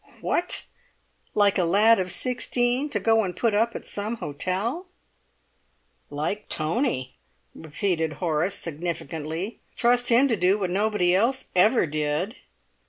"What! Like a lad of sixteen to go and put up at some hotel?" "Like Tony," repeated Horace significantly. "Trust him to do what nobody else ever did."